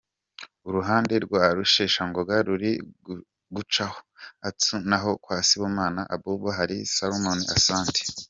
Uruhande rwa Rusheshangoga ruri gucaho Atsu naho kwa Sibomana Abuba hari Salomon Asante.